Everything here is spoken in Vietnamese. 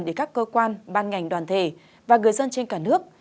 để các cơ quan ban ngành đoàn thể và người dân trên cả nước